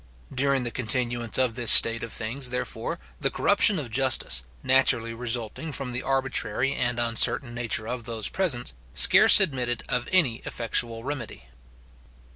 During the continuance of this state of things, therefore, the corruption of justice, naturally resulting from the arbitrary and uncertain nature of those presents, scarce admitted of any effectual remedy.